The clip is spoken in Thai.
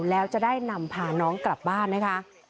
แล้วจะได้นำพาน้องกลับบ้านนะคะ